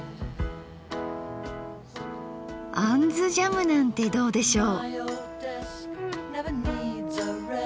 杏ジャムなんてどうでしょう。